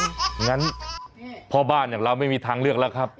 งั้นพ่อบ้านอย่างเราไม่มีทางเลือกแล้วครับ